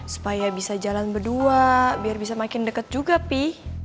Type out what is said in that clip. supaya bisa jalan berdua biar bisa makin dekat juga pi